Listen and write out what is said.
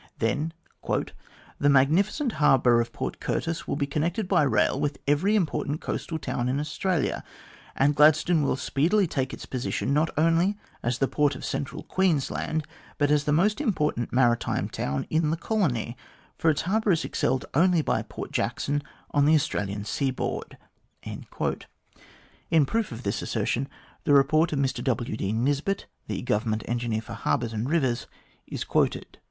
Then "the magnificent harbour of Port Curtis will be connected by rail with every important coastal town in Australia, and Gladstone will speedily take its position, not only as the port of Central Queensland, but as the most important maritime town in the colony, for its harbour is excelled only by Port Jackson on the Australian seaboard." In proof of this assertion, the report of Mr W. D. Nisbet, the Government Engineer for Harbours and Rivers, is quoted.